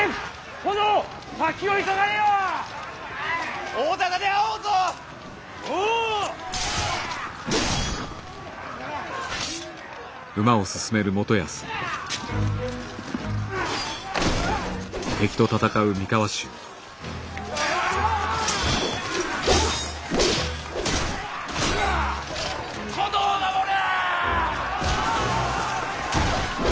殿を守れ！